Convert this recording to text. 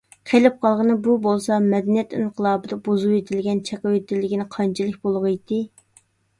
قېلىپ قالغىنى بۇ بولسا، «مەدەنىيەت ئىنقىلابى»دا بۇزۇۋېتىلگەن، چېقىۋېتىلگىنى قانچىلىك بولغىيتتى؟